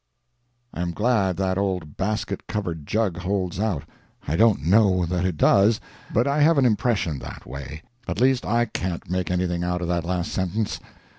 '" I am glad that old basket covered jug holds out. I don't know that it does, but I have an impression that way. At least I can't make anything out of that last sentence.